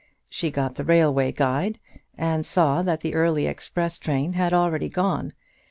She got the railway guide, and saw that the early express train had already gone.